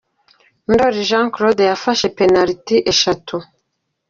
Ndoli Jean Claude yafashe penaliti eshatu.